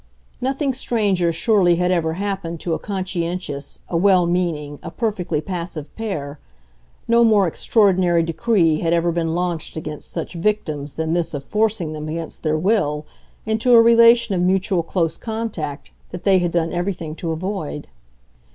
Nothing stranger surely had ever happened to a conscientious, a well meaning, a perfectly passive pair: no more extraordinary decree had ever been launched against such victims than this of forcing them against their will into a relation of mutual close contact that they had done everything to avoid.